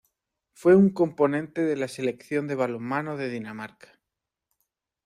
Fue un componente de la Selección de balonmano de Dinamarca.